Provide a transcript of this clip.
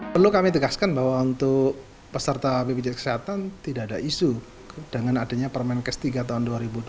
perlu kami tegaskan bahwa untuk peserta bpjs kesehatan tidak ada isu dengan adanya permenkes tiga tahun dua ribu dua puluh